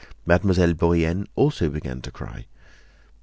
Mademoiselle Bourienne also began to cry.